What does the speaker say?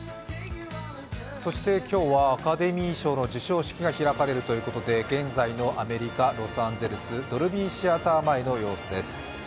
今日はアカデミー賞の授賞式が開かれるということで、現在のアメリカ・ロサンゼルス、ドルビーシアター前の様子です。